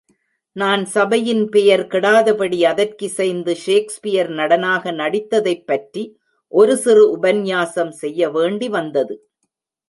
நான் சபையின் பெயர் கெடாதபடி அதற்கிசைந்து, ஷேக்ஸ்பியர் நடனாக நடித்ததைப்பற்றி, ஒரு சிறு உபன்யாசம் செய்ய வேண்டி வந்தது.